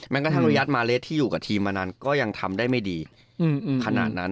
กระทั่งริยัติมาเลสที่อยู่กับทีมมานานก็ยังทำได้ไม่ดีขนาดนั้น